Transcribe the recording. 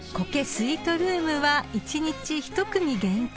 スイートルームは一日１組限定］